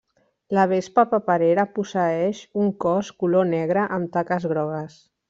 La vespa paperera posseeix un cos color negre amb taques grogues.